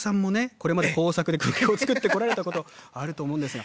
これまで工作で空気砲作ってこられたことあると思うんですが。